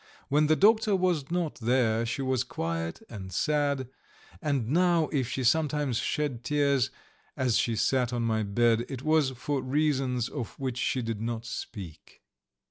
When the doctor was not there she was quiet and sad, and now if she sometimes shed tears as she sat on my bed it was for reasons of which she did not speak.